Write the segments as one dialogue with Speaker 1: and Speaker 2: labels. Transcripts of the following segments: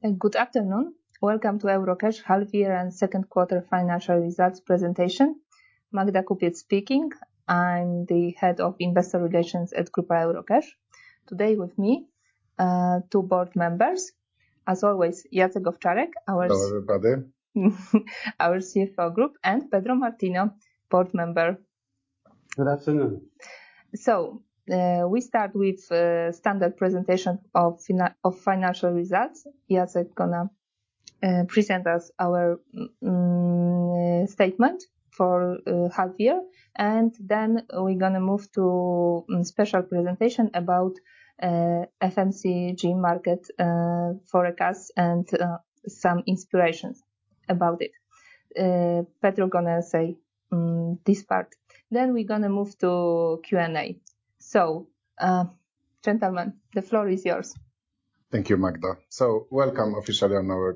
Speaker 1: Good afternoon. Welcome to Eurocash half year and second quarter financial results presentation. Magdalena Kupiec speaking. I'm the head of Investor Relations at Grupa Eurocash. Today with me, two board members. As always, Jacek Owczarek.
Speaker 2: Hello, everybody.
Speaker 1: Our CFO Group, and Pedro Martinho, Board Member.
Speaker 3: Good afternoon.
Speaker 1: We start with standard presentation of financial results. Jacek going to present us our statement for half year, and then we're going to move to special presentation about FMCG market forecast and some inspirations about it. Pedro gonna say this part. We're gonna move to Q&A. Gentlemen, the floor is yours.
Speaker 2: Thank you, Magda. Welcome officially on our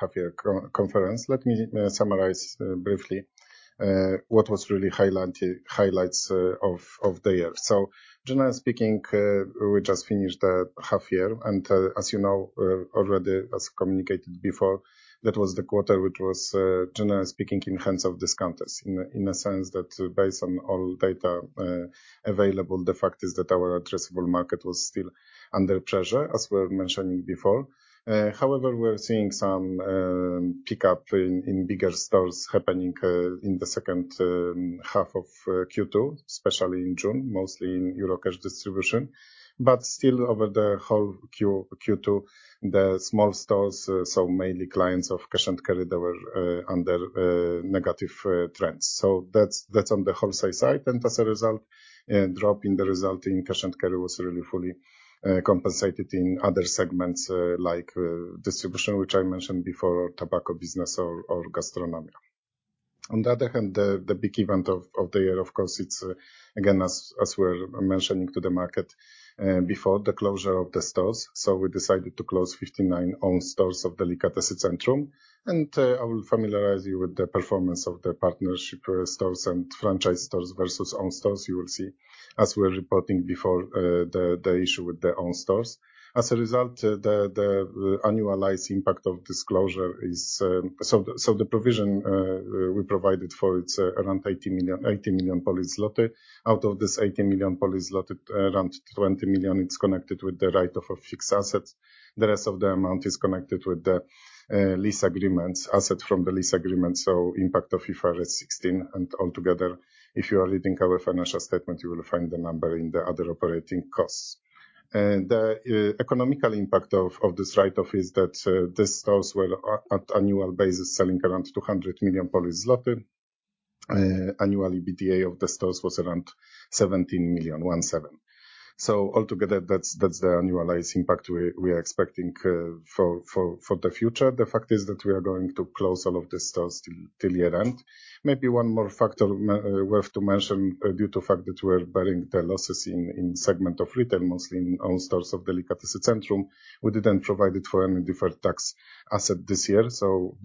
Speaker 2: half-year conference. Let me summarize briefly what was really highlights of the year. Generally speaking, we just finished the half-year, and as you know already as communicated before, that was the quarter, which was, generally speaking, in hands of discounters in a sense that based on all data available, the fact is that our addressable market was still under pressure, as we were mentioning before. However, we're seeing some pickup in bigger stores happening in the second half of Q2, especially in June, mostly in Eurocash Distribution. Still over the whole Q2, the small stores, so mainly clients of Cash & Carry, they were under negative trends. That's on the wholesale side. As a result, drop in the result in Cash & Carry was really fully compensated in other segments, like Distribution, which I mentioned before, tobacco business or Gastronomia. On the other hand, the big event of the year, of course, it's again, as we're mentioning to the market, before the closure of the stores. We decided to close 59 own stores of Delikatesy Centrum. I will familiarize you with the performance of the partnership stores and franchise stores versus own stores. You will see, as we were reporting before, the issue with the own stores. As a result, the annualized impact of this closure is, so the provision we provided for it's around 80 million. Out of this 80 million, around 20 million is connected with the write-off of fixed assets. The rest of the amount is connected with the lease agreements, asset from the lease agreements, so impact of IFRS 16. Altogether, if you are reading our financial statement, you will find the number in the other operating costs. The economic impact of this write-off is that these stores were at annual basis selling around 200 million Polish zloty. Annual EBITDA of the stores was around 17 million, 17. Altogether, that's the annualized impact we are expecting for the future. The fact is that we are going to close all of these stores till year-end. Maybe one more factor worth to mention, due to fact that we're bearing the losses in segment of Retail, mostly in own stores of Delikatesy Centrum, we didn't provide it for any deferred tax asset this year.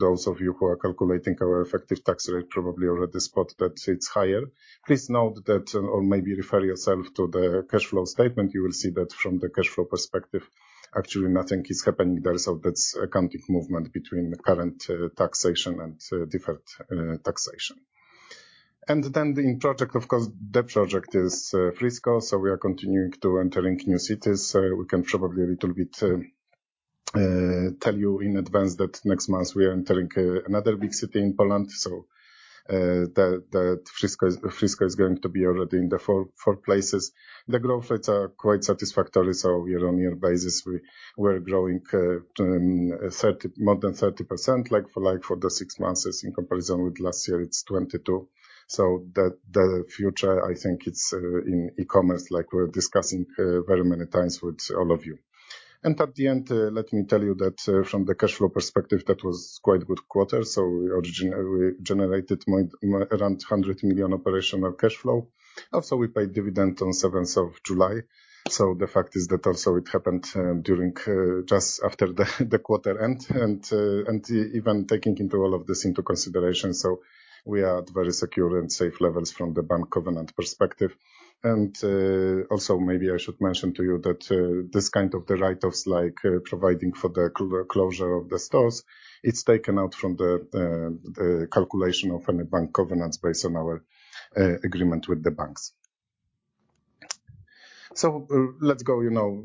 Speaker 2: Those of you who are calculating our effective tax rate probably already spot that it's higher. Please note that, or maybe refer yourself to the cash flow statement. You will see that from the cash flow perspective, actually nothing is happening there. That's accounting movement between the current taxation and deferred taxation. Then the project, of course, the project is Frisco. We are continuing to enter into new cities. We can probably a little bit tell you in advance that next month we are entering another big city in Poland. The Frisco is going to be already in the four places. The growth rates are quite satisfactory. Year-on-year basis, we're growing more than 30%, like for the six months in comparison with last year, it's 22%. The future, I think it's in e-commerce, like we're discussing very many times with all of you. At the end, let me tell you that from the cash flow perspective, that was quite good quarter. We generated around 100 million operational cash flow. Also, we paid dividend on 7th of July. The fact is that also it happened during, just after the quarter end. Even taking into all of this into consideration, we are at very secure and safe levels from the bank covenant perspective. Also maybe I should mention to you that this kind of the write-offs, like providing for the closure of the stores, it's taken out from the calculation of any bank covenants based on our agreement with the banks. Let's go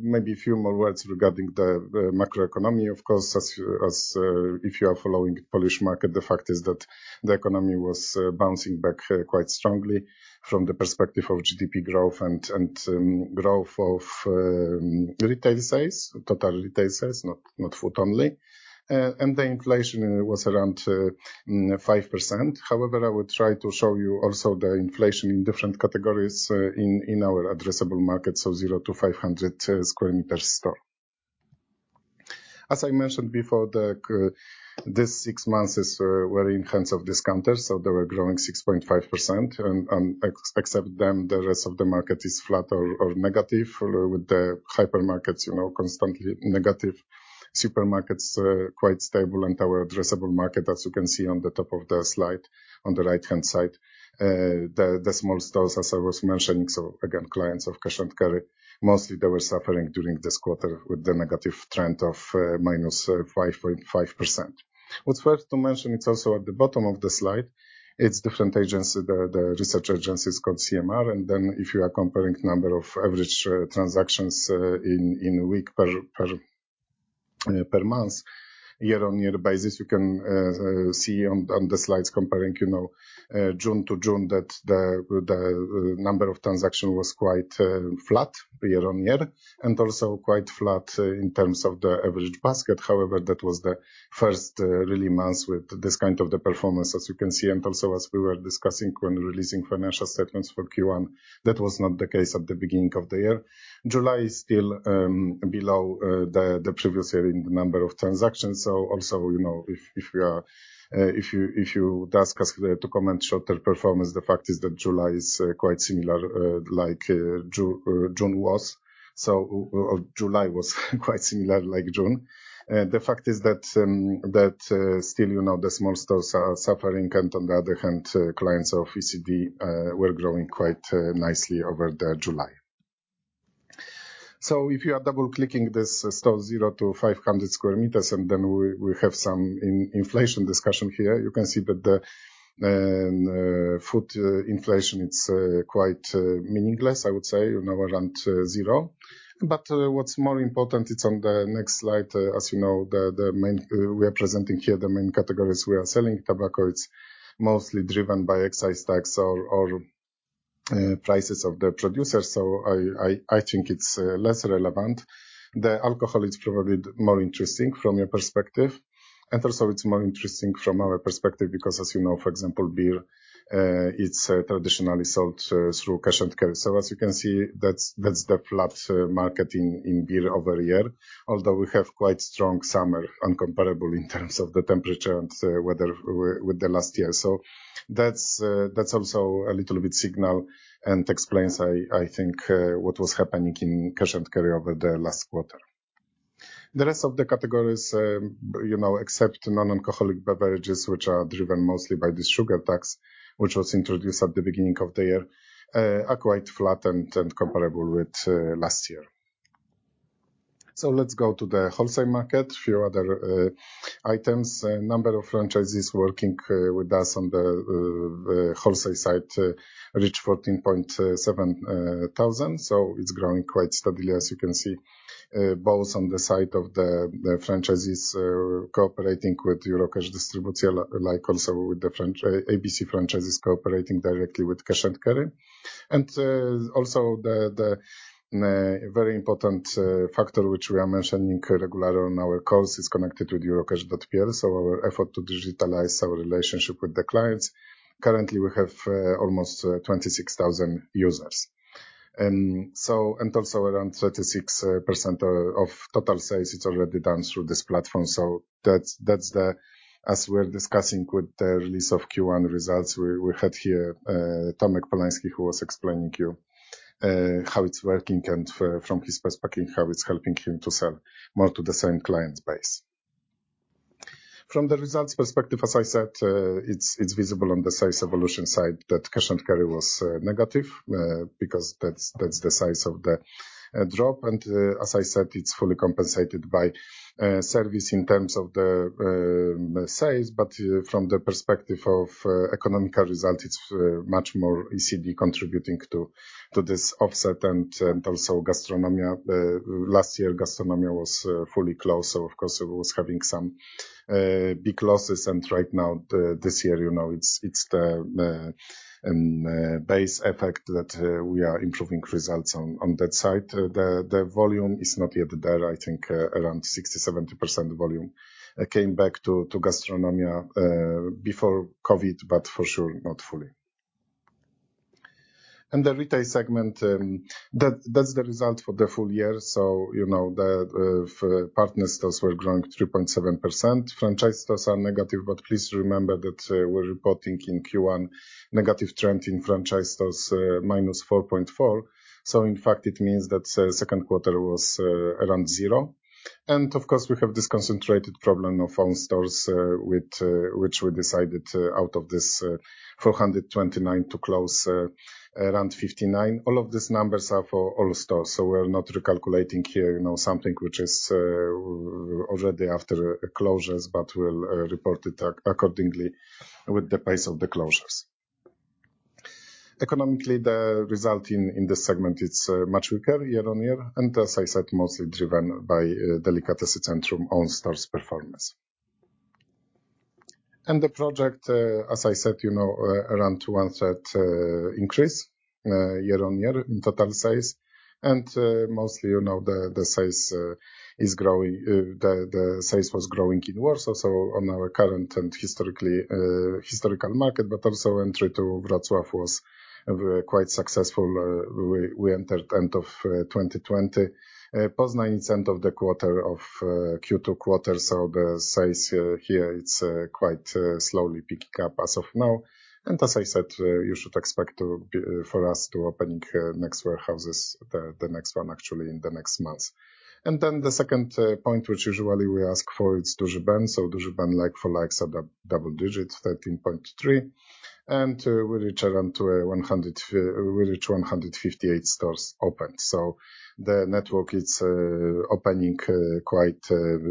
Speaker 2: maybe a few more words regarding the macroeconomy, of course. If you are following Polish market, the fact is that the economy was bouncing back quite strongly from the perspective of GDP growth and growth of retail sales, total retail sales, not food only. The inflation was around 5%. However, I would try to show you also the inflation in different categories in our addressable market, so 0 to 500 sq m stores. As I mentioned before, these six months is very in terms of discounters, so they were growing 6.5%. Except them, the rest of the market is flat or negative. With the hypermarkets constantly negative. Supermarkets are quite stable and our addressable market, as you can see on the top of the slide, on the right-hand side. The small stores, as I was mentioning, so again, clients of Cash & Carry, mostly they were suffering during this quarter with the negative trend of -5.5%. What's worth to mention, it is also at the bottom of the slide, it is different research agencies called CMR. If you are comparing number of average transactions in a week per month, year-on-year basis, you can see on the slides comparing June to June that the number of transactions was quite flat year-on-year and also quite flat in terms of the average basket. However, that was the first really month with this kind of the performance, as you can see, and also as we were discussing when releasing financial statements for Q1, that was not the case at the beginning of the year. July is still below the previous year in number of transactions. Also, if you ask us to comment shorter performance, the fact is that July is quite similar like June was. July was quite similar like June. The fact is that still the small stores are suffering and on the other hand, clients of ECD were growing quite nicely over July. If you are double-clicking this store 0 to 500 square meters, and then we have some inflation discussion here. You can see that the food inflation, it's quite meaningless, I would say, around 0. What's more important, it's on the next slide, as you know, we are presenting here the main categories. We are selling tobacco. It's mostly driven by excise tax or prices of the producer. I think it's less relevant. The alcohol is probably more interesting from your perspective. Also it's more interesting from our perspective because as you know, for example, beer, it's traditionally sold through Cash & Carry. As you can see, that's the flat market in beer over the year, although we have quite strong summer and comparable in terms of the temperature and weather with the last year. That's also a little bit signal and explains, I think, what was happening in Cash & Carry over the last quarter. The rest of the categories, except non-alcoholic beverages, which are driven mostly by the sugar tax, which was introduced at the beginning of the year, are quite flat and comparable with last year. Let's go to the wholesale market. Few other items. Number of franchises working with us on the wholesale side reached 14,700. It's growing quite steadily, as you can see, both on the side of the franchises cooperating with Eurocash Distribution, like also with ABC franchises cooperating directly with Cash & Carry. The very important factor which we are mentioning regularly on our calls is connected with eurocash.pl. Our effort to digitalize our relationship with the clients. Currently, we have almost 26,000 users. Around 36% of total sales is already done through this platform. As we are discussing with the release of Q1 results, we had here Tomek Polanski, who was explaining to you how it's working and from his perspective, how it's helping him to sell more to the same client base. From the results perspective, as I said, it's visible on the sales evolution side that Cash & Carry was negative because that's the size of the drop, and as I said, it's fully compensated by service in terms of the sales. From the perspective of economical result, it's much more ECD contributing to this offset and also Gastronomia. Last year, Gastronomia was fully closed, so of course, it was having some big losses, and right now, this year, it's the base effect that we are improving results on that side. The volume is not yet there. I think around 60%-70% volume came back to Gastronomia before COVID, but for sure, not fully. The Retail segment, that's the result for the full year. The partner stores were growing 3.7%. Franchise stores are negative, but please remember that we're reporting in Q1 negative trend in franchise stores, -4.4%. In fact, it means that second quarter was around zero. Of course, we have this concentrated problem of own stores, which we decided out of this 429 to close around 59. All of these numbers are for all stores. We are not recalculating here, something which is already after closures, but we will report it accordingly with the pace of the closures. Economically, the result in this segment is much weaker year-on-year, and as I said, mostly driven by Delikatesy Centrum own stores' performance. The project, as I said, around 200 increase year-on-year in total size. Mostly, the size was growing in Warsaw, so on our current and historical market, but also entry to Wrocław was quite successful. We entered end of 2020. Poznań is end of the Q2 quarter, the size here, it is quite slowly picking up as of now. As I said, you should expect for us to opening next warehouses, the next one actually in the next months. The second point, which usually we ask for, it is Duży Ben. Duży Ben like-for-like set up double digits, 13.3%. We reach 158 stores opened. The network, it's opening quite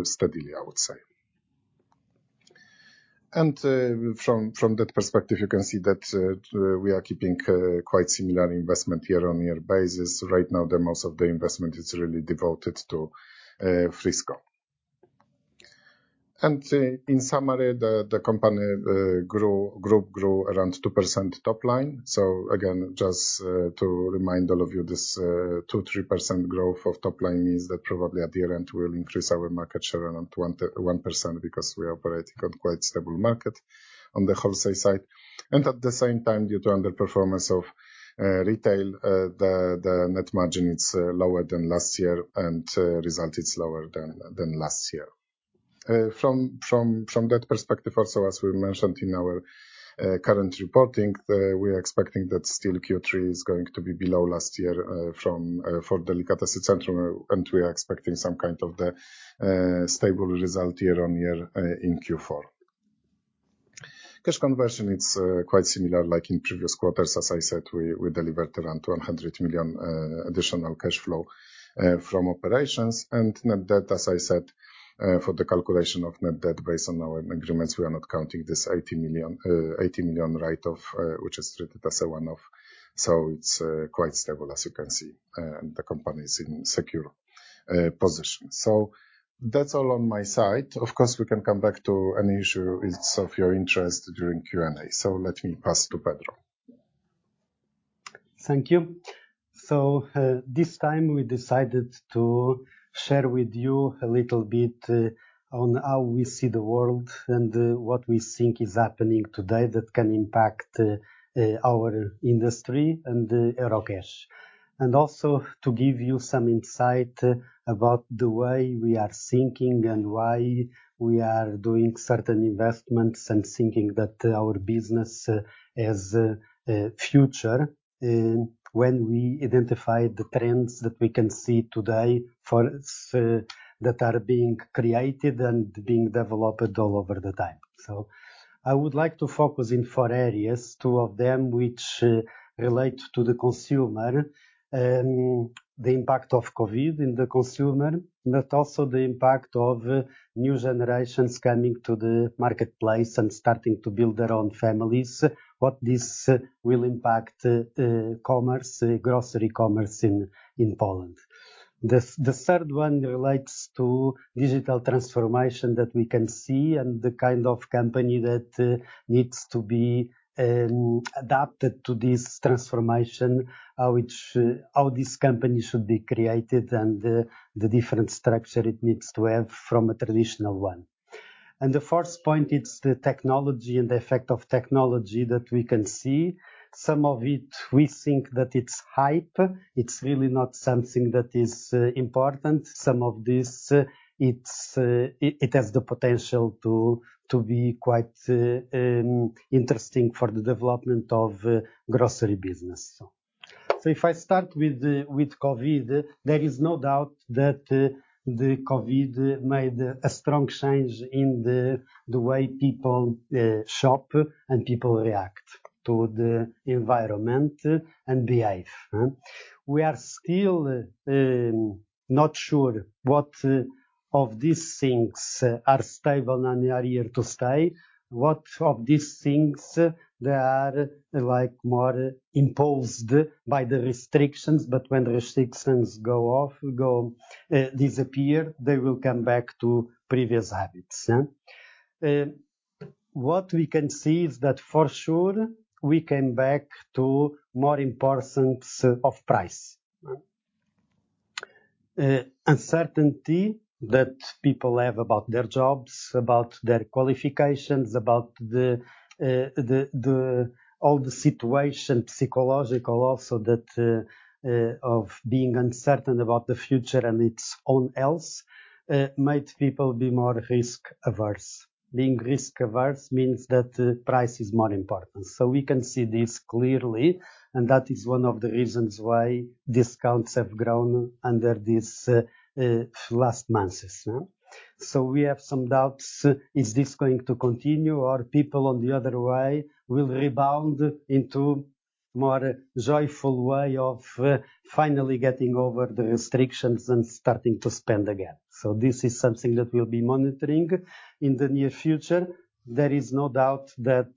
Speaker 2: steadily, I would say. From that perspective, you can see that we are keeping quite similar investment year-on-year basis. Right now, the most of the investment is really devoted to Frisco. In summary, the group grew around 2% top line. Again, just to remind all of you, this 2%-3% growth of top line means that probably at the end, we'll increase our market share around 1% because we operate on quite stable market on the wholesale side. At the same time, due to underperformance of retail, the net margin is lower than last year, and result is lower than last year. From that perspective also, as we mentioned in our current reporting, we are expecting that still Q3 is going to be below last year for Delikatesy Centrum, and we are expecting some kind of the stable result year-on-year in Q4. Cash conversion, it's quite similar like in previous quarters. As I said, we delivered around 100 million additional cash flow from operations. Net debt, as I said, for the calculation of net debt based on our agreements, we are not counting this 80 million write-off, which is treated as a one-off. It's quite stable, as you can see, and the company is in secure position. That's all on my side. Of course, we can come back to any issue is of your interest during Q&A. Let me pass to Pedro.
Speaker 3: Thank you. This time, we decided to share with you a little bit on how we see the world and what we think is happening today that can impact our industry and Eurocash. Also to give you some insight about the way we are thinking and why we are doing certain investments and thinking that our business has a future when we identify the trends that we can see today that are being created and being developed all over the time. I would like to focus in four areas, two of them which relate to the consumer, the impact of COVID in the consumer, but also the impact of new generations coming to the marketplace and starting to build their own families. What this will impact commerce, grocery commerce in Poland. The third one relates to digital transformation that we can see and the kind of company that needs to be adapted to this transformation, how this company should be created and the different structure it needs to have from a traditional one. The fourth point, it's the technology and the effect of technology that we can see. Some of it, we think that it's hype. It's really not something that is important. Some of this, it has the potential to be quite interesting for the development of grocery business. If I start with COVID, there is no doubt that the COVID made a strong change in the way people shop and people react to the environment and behave. We are still not sure what of these things are stable and are here to stay, what of these things that are more imposed by the restrictions, but when the restrictions disappear, they will come back to previous habits. Uncertainty that people have about their jobs, about their qualifications, about all the situation, psychological also, of being uncertain about the future and its own health, made people be more risk-averse. Being risk-averse means that price is more important. We can see this clearly, and that is one of the reasons why discounts have grown under these last months. We have some doubts. Is this going to continue, or people on the other way will rebound into more joyful way of finally getting over the restrictions and starting to spend again? This is something that we'll be monitoring in the near future. There is no doubt that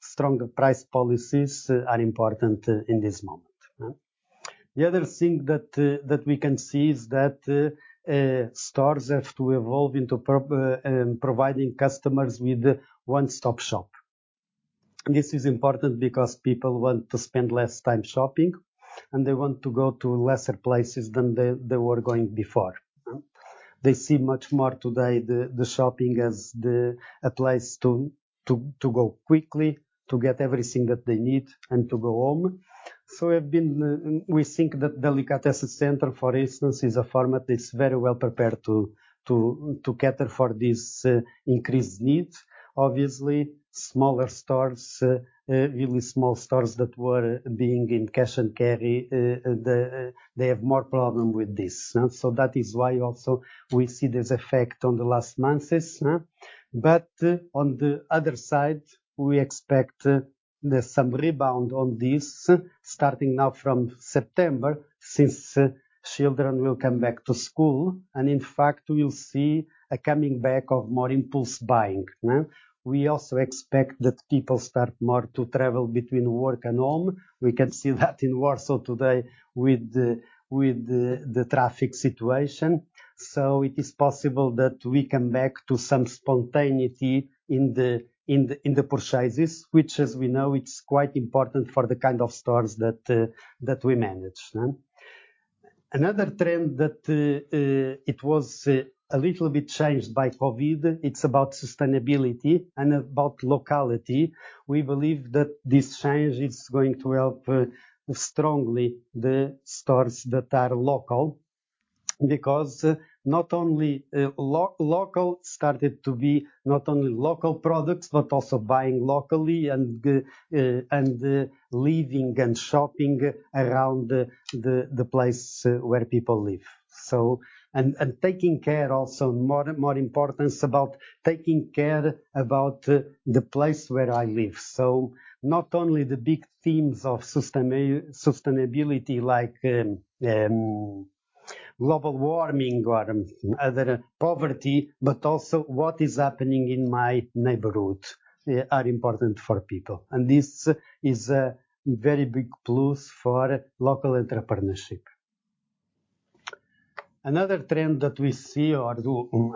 Speaker 3: stronger price policies are important in this moment. The other thing that we can see is that stores have to evolve into providing customers with a one-stop shop. This is important because people want to spend less time shopping, and they want to go to fewer places than they were going before. They see shopping much more today as a place to go quickly, to get everything that they need, and to go home. We think that Delikatesy Centrum, for instance, is a format that's very well-prepared to cater to these increased needs. Obviously, smaller stores, really small stores that were being in Eurocash Cash & Carry, they have more problem with this. That is why also we see this effect on the last months. On the other side, we expect some rebound on this, starting now from September, since children will come back to school. In fact, we will see a coming back of more impulse buying. We also expect that people start more to travel between work and home. We can see that in Warsaw today with the traffic situation. It is possible that we come back to some spontaneity in the purchases, which, as we know, it's quite important for the kind of stores that we manage. Another trend that it was a little bit changed by COVID, it's about sustainability and about locality. We believe that this change is going to help strongly the stores that are local, because local started to be not only local products, but also buying locally and living and shopping around the place where people live. Taking care also, more importance about taking care about the place where I live. Not only the big themes of sustainability like global warming or other, poverty, but also what is happening in my neighborhood are important for people. This is a very big plus for local entrepreneurship. Another trend that we see, or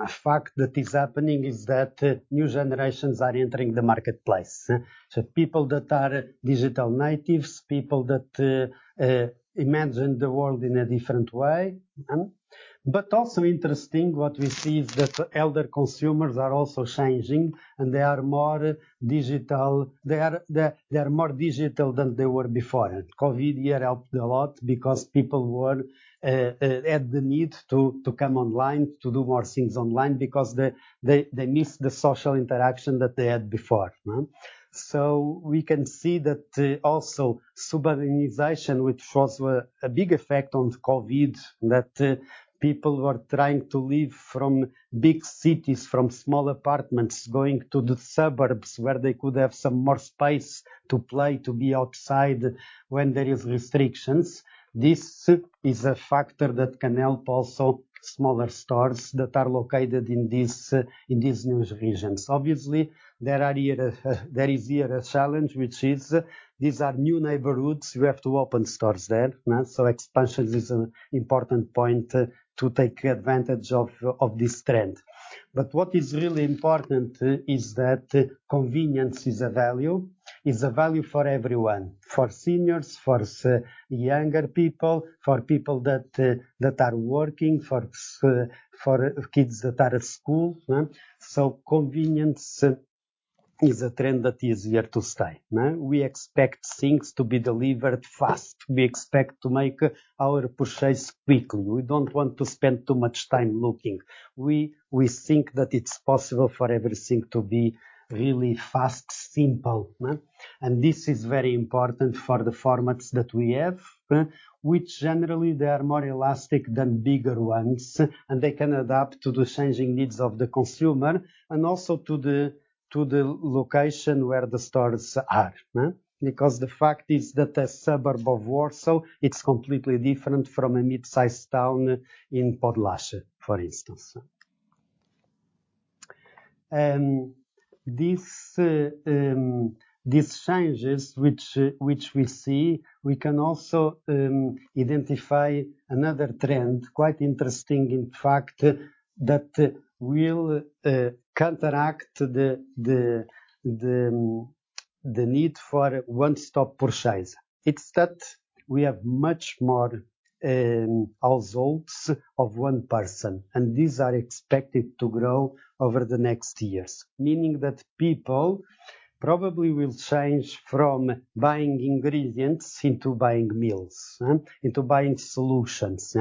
Speaker 3: a fact that is happening, is that new generations are entering the marketplace. People that are digital natives, people that imagine the world in a different way. Also interesting, what we see is that elder consumers are also changing, and they are more digital than they were before. COVID here helped a lot because people had the need to come online, to do more things online because they missed the social interaction that they had before. We can see that also suburbanization, which was a big effect on COVID, that people were trying to leave from big cities, from small apartments, going to the suburbs where they could have some more space to play, to be outside when there is restrictions. This is a factor that can help also smaller stores that are located in these new regions. Obviously, there is here a challenge, which is, these are new neighborhoods. We have to open stores there. Expansions is an important point to take advantage of this trend. What is really important is that convenience is a value for everyone, for seniors, for younger people, for people that are working, for kids that are at school. Convenience is a trend that is here to stay. We expect things to be delivered fast. We expect to make our purchase quickly. We don't want to spend too much time looking. We think that it's possible for everything to be really fast, simple. This is very important for the formats that we have, which generally they are more elastic than bigger ones, and they can adapt to the changing needs of the consumer and also to the location where the stores are. The fact is that a suburb of Warsaw, it's completely different from a mid-size town in Podlaskie, for instance. These changes which we see, we can also identify another trend, quite interesting, in fact, that will counteract the need for one-stop purchase. We have much more households of one person, and these are expected to grow over the next years, meaning that people probably will change from buying ingredients into buying meals, into buying solutions.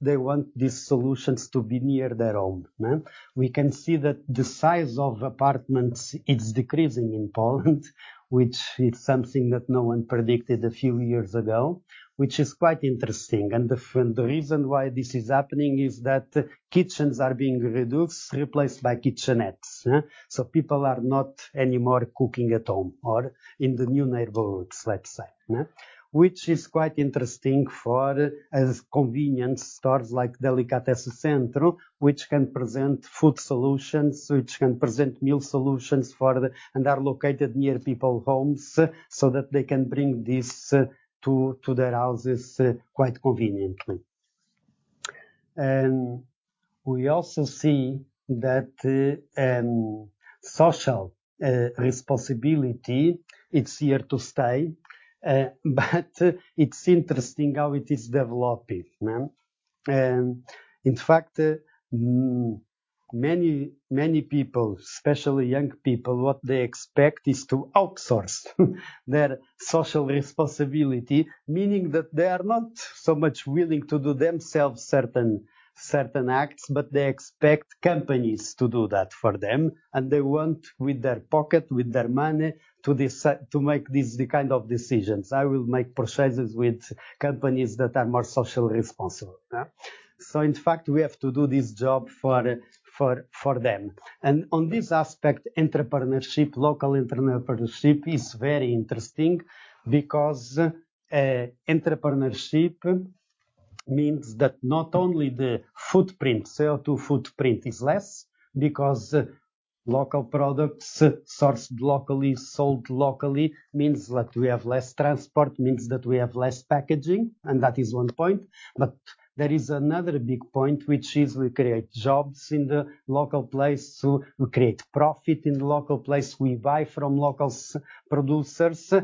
Speaker 3: They want these solutions to be near their home. We can see that the size of apartments is decreasing in Poland, which is something that no one predicted a few years ago, which is quite interesting. The reason why this is happening is that kitchens are being reduced, replaced by kitchenettes. People are not anymore cooking at home or in the new neighborhoods, let's say. Which is quite interesting for as convenience stores like Delikatesy Centrum, which can present food solutions, which can present meal solutions, and are located near people's homes, so that they can bring this to their houses quite conveniently. We also see that social responsibility, it's here to stay. It's interesting how it is developing. In fact, many people, especially young people, what they expect is to outsource their social responsibility. Meaning that they are not so much willing to do themselves certain acts, but they expect companies to do that for them, and they want with their pocket, with their money, to make this kind of decisions. "I will make purchases with companies that are more socially responsible." In fact, we have to do this job for them. On this aspect, local entrepreneurship is very interesting because entrepreneurship means that not only the CO2 footprint is less, because local products sourced locally, sold locally, means that we have less transport, means that we have less packaging, and that is one point. There is another big point, which is we create jobs in the local place, so we create profit in the local place. We buy from local producers,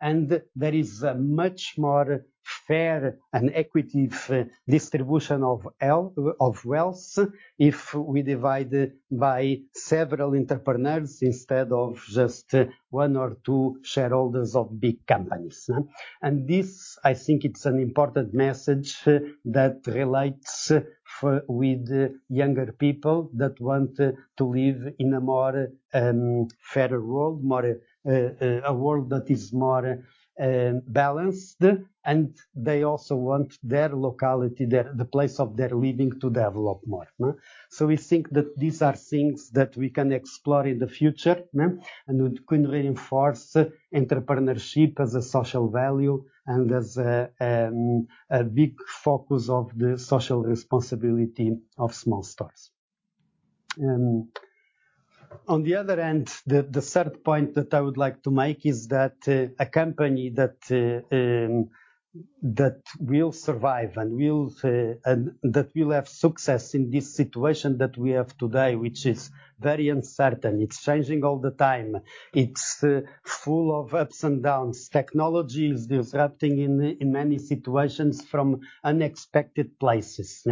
Speaker 3: and there is a much more fair and equity distribution of wealth if we divide by several entrepreneurs instead of just one or two shareholders of big companies. This, I think it's an important message that relates with younger people that want to live in a more fairer world, a world that is more balanced, and they also want their locality, the place of their living to develop more. We think that these are things that we can explore in the future, and we can reinforce entrepreneurship as a social value and as a big focus of the social responsibility of small stores. On the other end, the third point that I would like to make is that a company that will survive and that will have success in this situation that we have today, which is very uncertain, it's changing all the time, it's full of ups and downs. Technology is disrupting in many situations from unexpected places,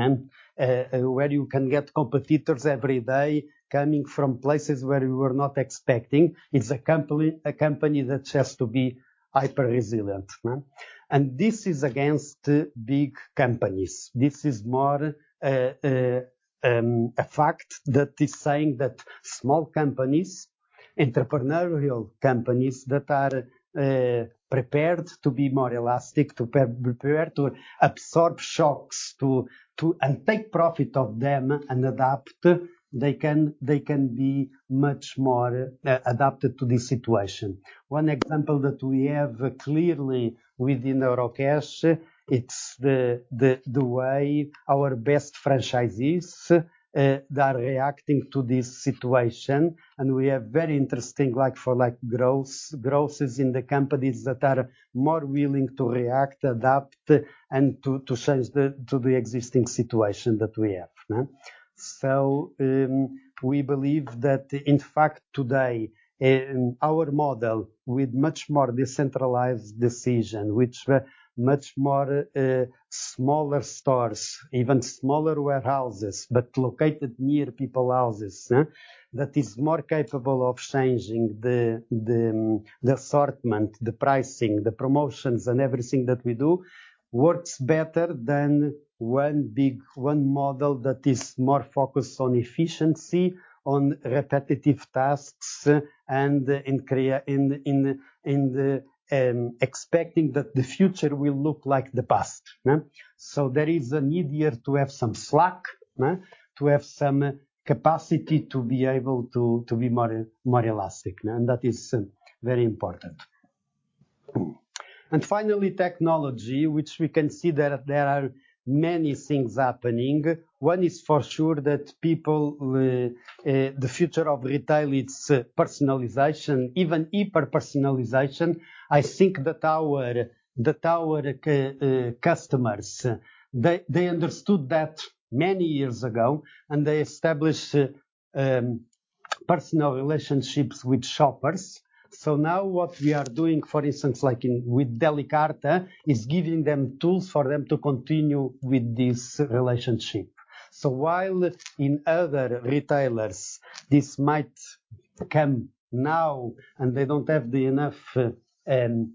Speaker 3: where you can get competitors every day coming from places where you were not expecting. It's a company that has to be hyper-resilient. This is against big companies. This is more a fact that is saying that small companies, entrepreneurial companies that are prepared to be more elastic, prepared to absorb shocks and take profit of them and adapt, they can be much more adapted to this situation. One example that we have clearly within Eurocash, it's the way our best franchisees are reacting to this situation. We have very interesting growth in the companies that are more willing to react, adapt, and to change to the existing situation that we have. We believe that, in fact, today, our model with much more decentralized decision, with much more smaller stores, even smaller warehouses, but located near people houses, that is more capable of changing the assortment, the pricing, the promotions, and everything that we do, works better than one model that is more focused on efficiency, on repetitive tasks, and expecting that the future will look like the past. There is a need here to have some slack, to have some capacity to be able to be more elastic. That is very important. Finally, technology, which we can see that there are many things happening. One is for sure that the future of retail, it's personalization, even hyper-personalization. I think that our customers, they understood that many years ago, and they established personal relationships with shoppers. Now what we are doing, for instance, like with Delikarta, is giving them tools for them to continue with this relationship. While in other retailers, this might come now and they don't have the enough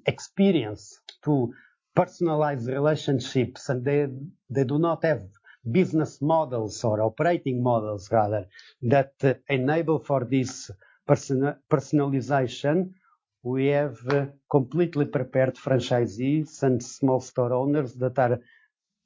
Speaker 3: experience to personalize relationships, and they do not have business models or operating models, rather, that enable for this personalization. We have completely prepared franchisees and small store owners.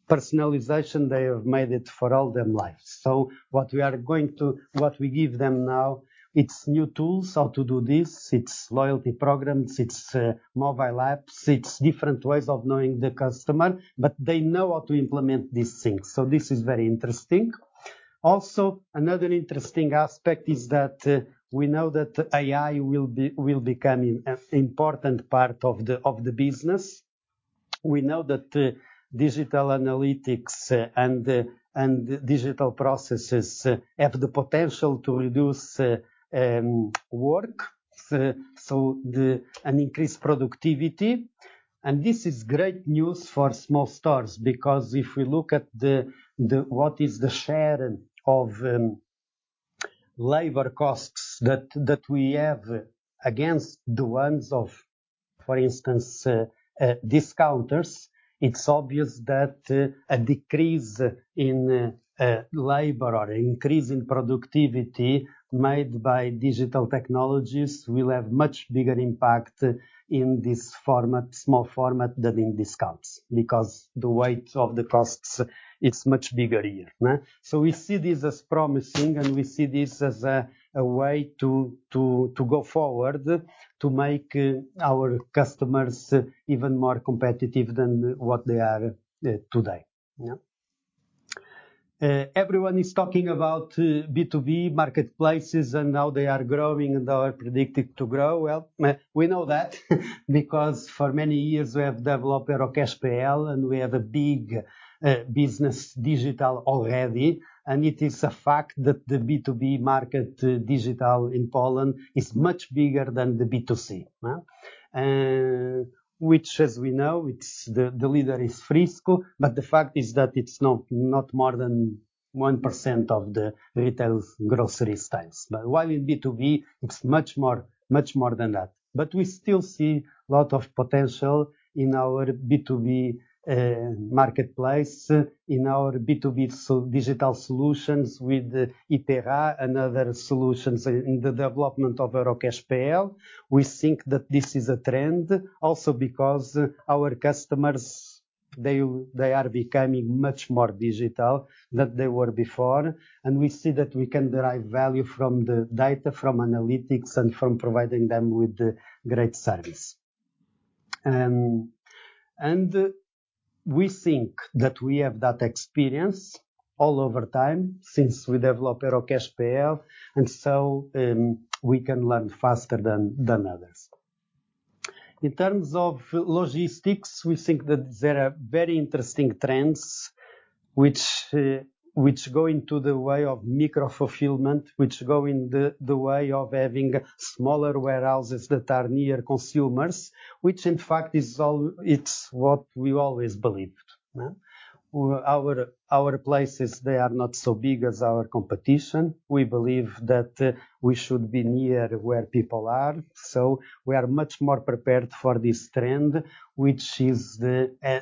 Speaker 3: Personalization, they have made it for all their lives. What we give them now, it's new tools, how to do this, it's loyalty programs, it's mobile apps, it's different ways of knowing the customer, but they know how to implement these things. This is very interesting. Also, another interesting aspect is that we know that AI will become an important part of the business. We know that digital analytics and digital processes have the potential to reduce work, and increase productivity. This is great news for small stores, because if we look at what is the share of labor costs that we have against the ones of, for instance, discounters, it's obvious that a decrease in labor or increase in productivity made by digital technologies will have much bigger impact in small format than in discounts, because the weight of the costs is much bigger here. We see this as promising, and we see this as a way to go forward to make our customers even more competitive than what they are today. Everyone is talking about B2B marketplaces and how they are growing and are predicted to grow. We know that because for many years we have developed eurocash.pl, and we have a big business digital already. It is a fact that the B2B market digital in Poland is much bigger than the B2C. Which as we know, the leader is Frisco, but the fact is that it's not more than 1% of the retail grocery sales. While in B2B, it's much more than that. We still see a lot of potential in our B2B marketplace, in our B2B digital solutions with Hipera and other solutions in the development of eurocash.pl. We think that this is a trend also because our customers are becoming much more digital than they were before, and we see that we can derive value from the data, from analytics, and from providing them with great service. We think that we have that experience all over time since we developed eurocash.pl, and so we can learn faster than others. In terms of logistics, we think that there are very interesting trends, which go into the way of micro-fulfillment, which go in the way of having smaller warehouses that are near consumers, which in fact it's what we always believed. Our places, they are not so big as our competition. We believe that we should be near where people are. We are much more prepared for this trend, which is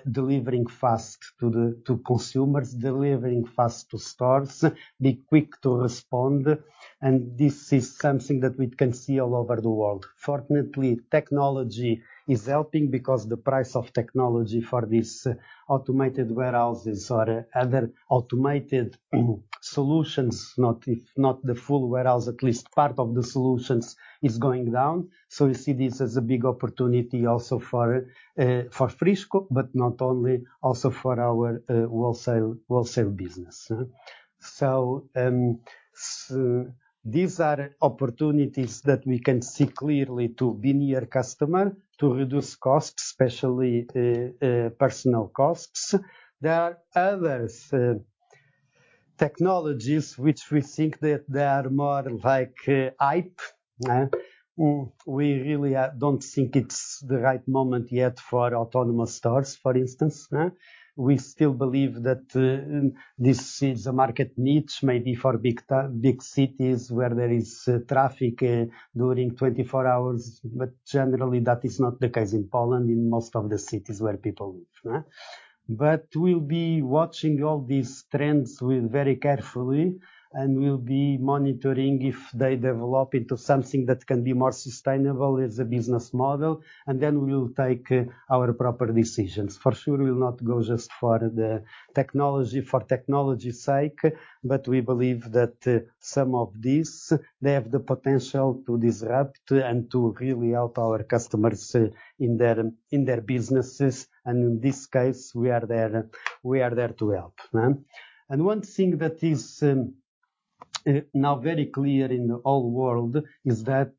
Speaker 3: delivering fast to consumers, delivering fast to stores, be quick to respond, and this is something that we can see all over the world. Fortunately, technology is helping because the price of technology for these automated warehouses or other automated solutions, if not the full warehouse, at least part of the solutions is going down. We see this as a big opportunity also for Frisco, but not only, also for our wholesale business. These are opportunities that we can see clearly to be near customer to reduce costs, especially personal costs. There are other technologies which we think that they are more like hype. We really don't think it's the right moment yet for autonomous stores, for instance. We still believe that this is a market niche, maybe for big cities where there is traffic during 24 hours. Generally, that is not the case in Poland, in most of the cities where people live. We'll be watching all these trends very carefully, and we'll be monitoring if they develop into something that can be more sustainable as a business model, and then we will take our proper decisions. For sure, we will not go just for the technology for technology's sake, but we believe that some of these, they have the potential to disrupt and to really help our customers in their businesses, and in this case, we are there to help. One thing that is now very clear in the whole world is that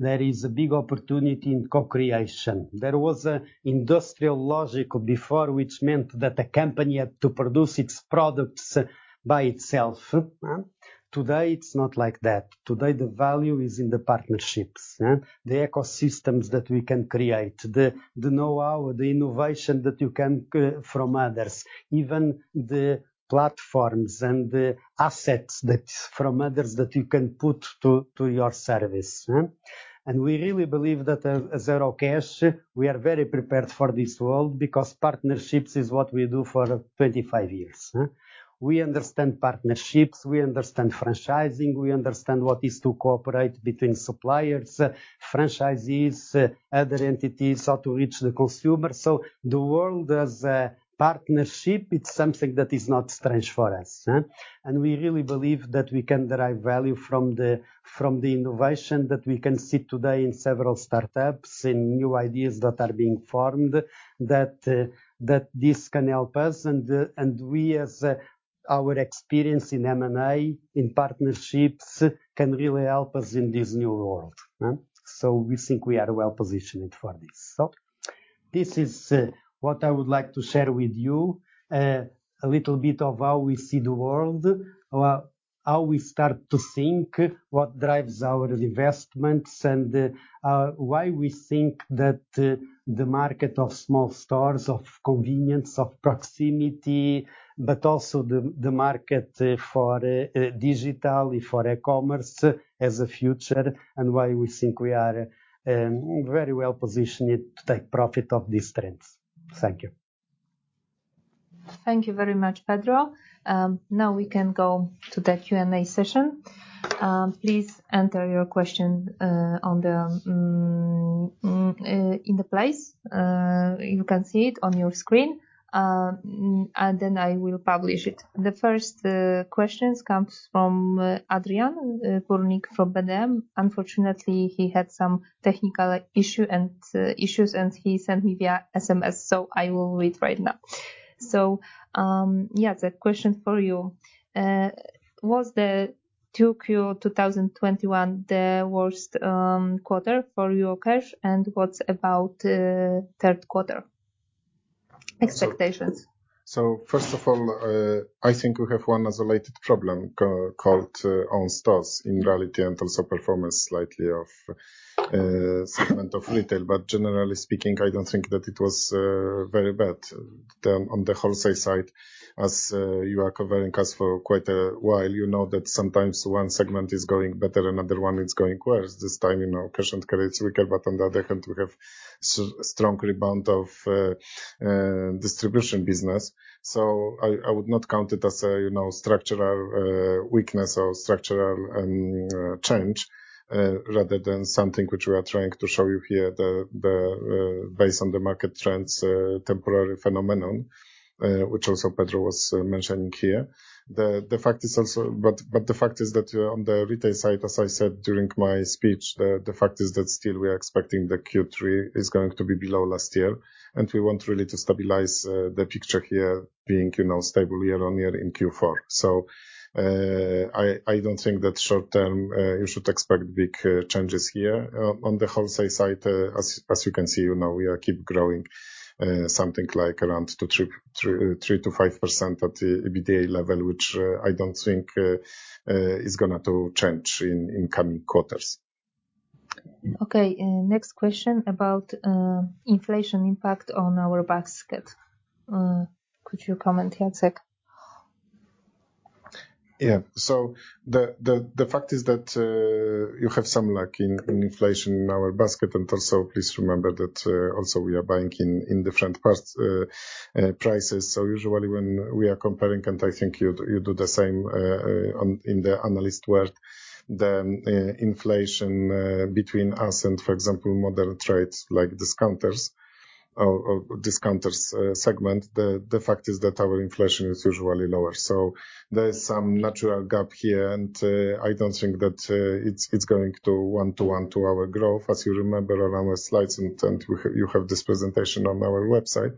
Speaker 3: there is a big opportunity in co-creation. There was industrial logic before, which meant that a company had to produce its products by itself. Today, it's not like that. Today, the value is in the partnerships. The ecosystems that we can create, the know-how, the innovation that you can get from others, even the platforms and the assets from others that you can put to your service. We really believe that as Eurocash, we are very prepared for this world because partnerships is what we do for 25 years. We understand partnerships, we understand franchising, we understand what is to cooperate between suppliers, franchisees, other entities, how to reach the consumer. The world as a partnership, it's something that is not strange for us. We really believe that we can derive value from the innovation that we can see today in several startups, in new ideas that are being formed, that this can help us, and our experience in M&A, in partnerships, can really help us in this new world. We think we are well-positioned for this. This is what I would like to share with you, a little bit of how we see the world, how we start to think, what drives our investments, and why we think that the market of small stores, of convenience, of proximity, but also the market for digital, for e-commerce, has a future, and why we think we are very well-positioned to take profit of these trends. Thank you.
Speaker 1: Thank you very much, Pedro. Now we can go to the Q&A session. Please enter your question in the place. You can see it on your screen, and then I will publish it. The first question comes from Adrian Burnicki from BDM. Unfortunately, he had some technical issues, and he sent me via SMS, so I will read right now. Yeah, the question for you, was the 2Q 2021 the worst quarter for Eurocash, and what about third quarter expectations?
Speaker 2: First of all, I think we have one isolated problem called own stores in reality, and also performance slightly of segment of Retail. Generally speaking, I don't think that it was very bad on the wholesale side. As you are covering us for quite a while, you know that sometimes one segment is going better, another one is going worse. This time, Cash & Carry is weaker, but on the other hand, we have strong rebound of distribution business. I would not count it as a structural weakness or structural change, rather than something which we are trying to show you here, based on the market trends, temporary phenomenon, which also Pedro was mentioning here. The fact is that on the retail side, as I said during my speech, the fact is that still we are expecting the Q3 is going to be below last year, and we want really to stabilize the picture here being stable year-on-year in Q4. I don't think that short-term, you should expect big changes here. On the wholesale side as you can see, we are keep growing something like around 3%-5% at EBITDA level, which I don't think is going to change in coming quarters.
Speaker 1: Okay. Next question about inflation impact on our basket. Could you comment, Jacek?
Speaker 2: Yeah. The fact is that you have some lag in inflation in our basket, and also please remember that also we are buying in different prices. Usually when we are comparing, and I think you do the same in the analyst world, the inflation between us and, for example, modern trades like Discounters segment, the fact is that our inflation is usually lower. There is some natural gap here, and I don't think that it's going to one-to-one to our growth. As you remember on our slides, and you have this presentation on our website,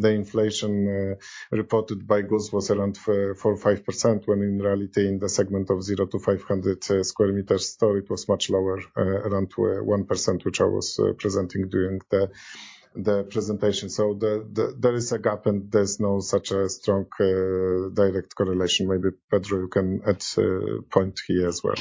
Speaker 2: the inflation reported by GUS was around 4% or 5%, when in reality, in the segment of 0 to 500 sq meters store, it was much lower, around 1%, which I was presenting during the presentation. There is a gap, and there's no such a strong direct correlation. Maybe Pedro, you can add point here as well.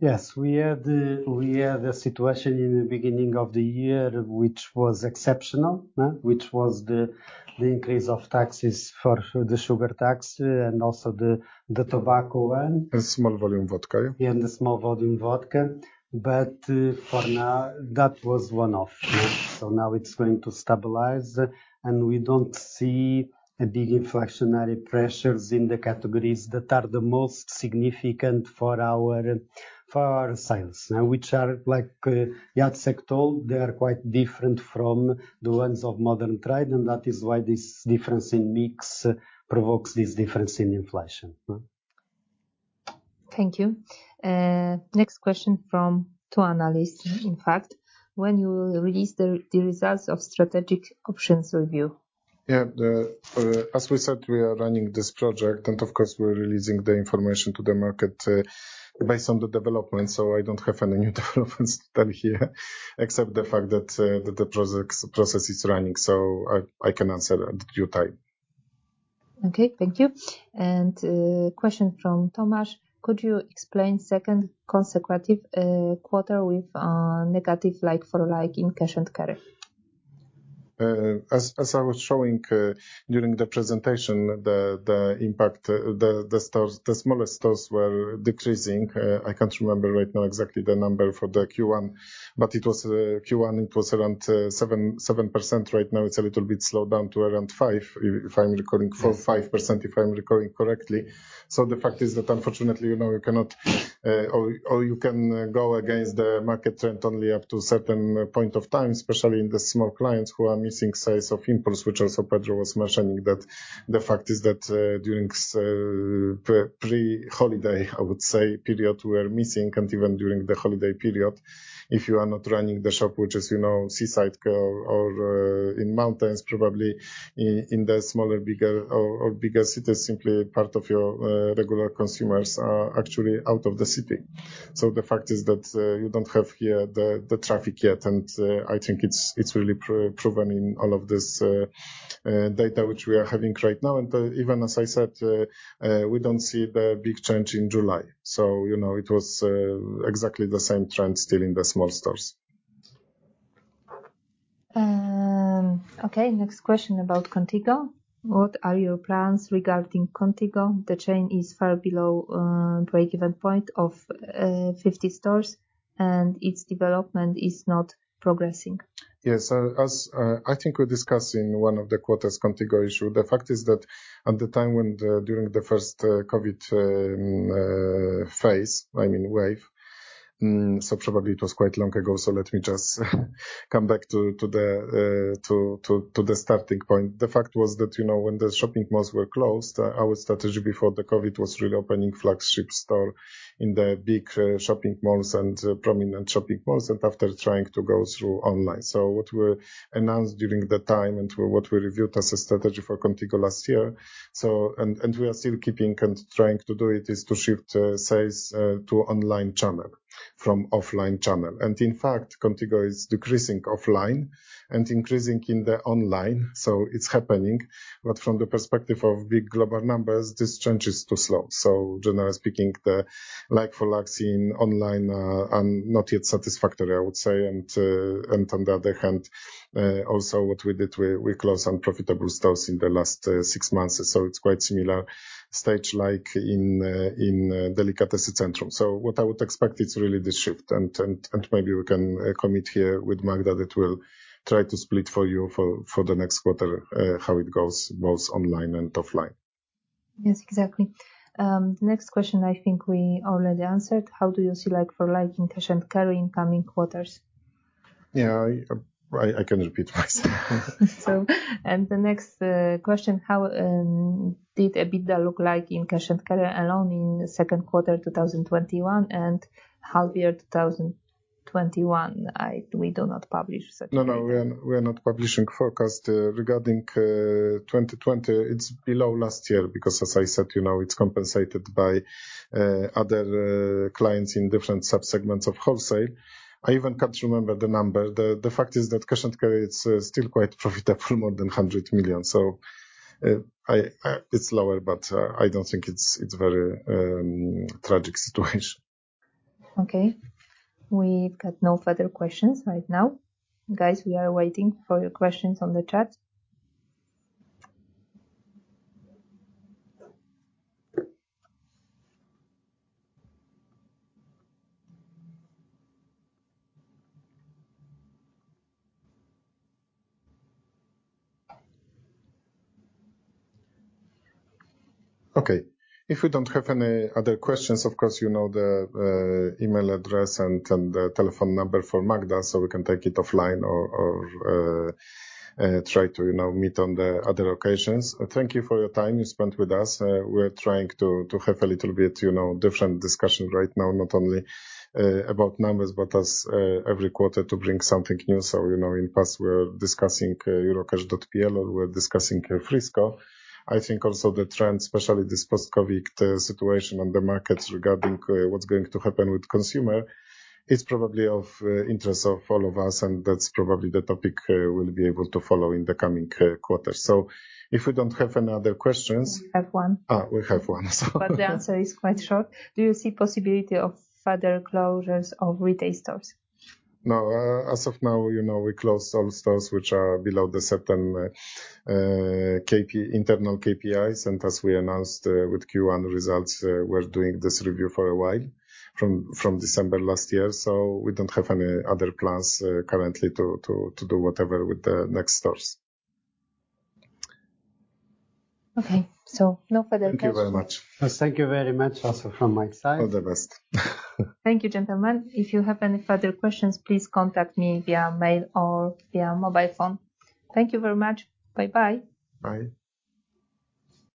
Speaker 3: Yes, we had a situation in the beginning of the year which was exceptional. Which was the increase of taxes for the sugar tax and also the tobacco one.
Speaker 2: Small volume vodka.
Speaker 3: Yeah, the small volume vodka. For now, that was one-off. Now it's going to stabilize, and we don't see a big inflationary pressures in the categories that are the most significant for our sales. Now, which are, like Jacek told, they are quite different from the ones of modern trade, and that is why this difference in mix provokes this difference in inflation.
Speaker 1: Thank you. Next question from two analysts, in fact. When you release the results of strategic options review?
Speaker 2: As we said, we are running this project and, of course, we're releasing the information to the market based on the development, so I don't have any new developments to tell here except the fact that the process is running. I can answer due time.
Speaker 1: Okay, thank you. Question from Tomasz, could you explain second consecutive quarter with negative like-for-like in Cash & Carry?
Speaker 2: As I was showing during the presentation, the impact, the smallest stores were decreasing. I can't remember right now exactly the number for the Q1, it was around 7%. Right now, it's a little bit slowed down to around 5%, if I'm recalling, 4%, 5%, if I'm recalling correctly. The fact is that unfortunately, you cannot, or you can go against the market trend only up to a certain point of time, especially in the small clients who are missing sales of impulse, which also Pedro was mentioning that the fact is that during pre-holiday, I would say, period, we are missing, and even during the holiday period, if you are not running the shop, which is seaside or in mountains, probably in the smaller or bigger cities, simply part of your regular consumers are actually out of the city. The fact is that you don't have here the traffic yet, and I think it's really proven in all of this data which we are having right now. Even as I said, we don't see the big change in July. It was exactly the same trend still in the small stores.
Speaker 1: Okay, next question about Kontigo. What are your plans regarding Kontigo? The chain is far below break-even point of 50 stores, and its development is not progressing.
Speaker 2: Yes. I think we discussed in one of the quarters Kontigo issue. The fact is that at the time when, during the first COVID wave, so probably it was quite long ago, so let me just come back to the starting point. The fact was that when the shopping malls were closed, our strategy before the COVID was really opening flagship store in the big shopping malls and prominent shopping malls, and after trying to go through online. What we announced during that time and what we reviewed as a strategy for Kontigo last year, and we are still keeping and trying to do it, is to shift sales to online channel from offline channel. In fact, Kontigo is decreasing offline and increasing in the online, so it's happening. From the perspective of big global numbers, this change is too slow. Generally speaking, the like-for-like in online are not yet satisfactory, I would say. On the other hand, also what we did, we closed unprofitable stores in the last six months. It's quite similar stage like in Delikatesy Centrum. What I would expect is really this shift, and maybe we can commit here with Magda that we'll try to split for you for the next quarter, how it goes both online and offline.
Speaker 1: Yes, exactly. Next question I think we already answered. How do you see like-for-like in cash-and-carry in coming quarters?
Speaker 2: Yeah. I can repeat myself.
Speaker 1: The next question, how did EBITDA look like in Cash & Carry alone in the second quarter 2021 and half year 2021? We do not publish such.
Speaker 2: No, we're not publishing forecast regarding 2020. It's below last year because as I said, it's compensated by other clients in different subsegments of wholesale. I even can't remember the number. The fact is that cash-and-carry is still quite profitable, more than 100 million. It's lower, but I don't think it's very tragic situation.
Speaker 1: Okay. We've got no further questions right now. Guys, we are waiting for your questions on the chat.
Speaker 2: Okay. If we don't have any other questions, of course you know the email address and the telephone number for Magda, so we can take it offline or try to meet on the other occasions. Thank you for your time you spent with us. We're trying to have a little bit different discussion right now, not only about numbers, but as every quarter, to bring something new. In past we were discussing eurocash.pl, or we were discussing Frisco. I think also the trend, especially this post-COVID situation on the markets regarding what's going to happen with consumer, is probably of interest of all of us, and that's probably the topic we'll be able to follow in the coming quarters. If we don't have any other questions.
Speaker 1: We have one.
Speaker 2: We have one.
Speaker 1: The answer is quite short. Do you see possibility of further closures of retail stores?
Speaker 2: No. As of now, we closed some stores which are below the certain internal KPIs, and as we announced with Q1 results, we're doing this review for a while, from December last year. We don't have any other plans currently to do whatever with the next stores.
Speaker 1: Okay, no further questions.
Speaker 2: Thank you very much.
Speaker 3: Thank you very much also from my side.
Speaker 2: All the best.
Speaker 1: Thank you, gentlemen. If you have any further questions, please contact me via mail or via mobile phone. Thank you very much. Bye bye.
Speaker 2: Bye.